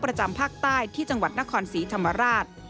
ประจำภาคใต้ที่จังหวัดนครศรีธรรมราช